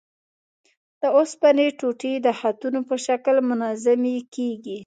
د اوسپنې ټوټې د خطونو په شکل منظمې کیږي.